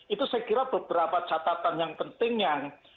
itu saya kira beberapa catatan yang pentingnya